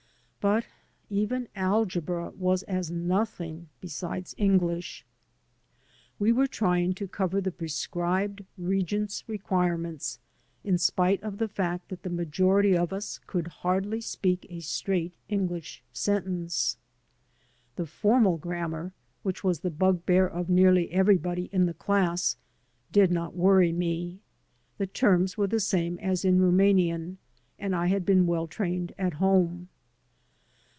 But even algebra was as nothing beside English. We were trying to cover the prescribed Regents* require ments, in spite of the fact that the majority of us could hardly speak a straight English sentence. The formal grammar, which was the bugbear of nearly everybody in the class, did not worry me. The terms were the same as in Rumanian, and I had been well trained at home.